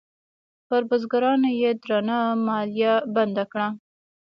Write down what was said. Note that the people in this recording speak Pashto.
پر بزګرانو یې درنه مالیه بنده کړه.